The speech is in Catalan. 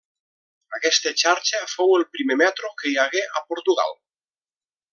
Aquesta xarxa fou el primer metro que hi hagué a Portugal.